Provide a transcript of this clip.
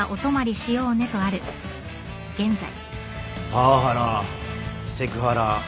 パワハラセクハラ